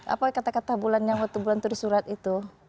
apa kata kata bulannya waktu bulan terus surat itu